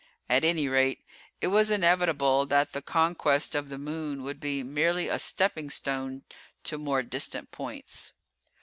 At any rate, it was inevitable that the conquest of the moon would be merely a stepping stone to more distant points.